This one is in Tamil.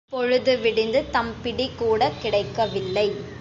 பொழுது விடிந்து தம்பிடி கூடக் கிடைக்கவில்லை.